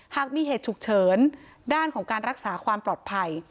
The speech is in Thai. หากมีเหตุฉุกเฉินด้านของการรักษาความปลอดภัย